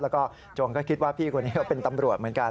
แล้วก็โจรก็คิดว่าพี่คนนี้ก็เป็นตำรวจเหมือนกัน